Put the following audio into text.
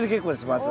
まず。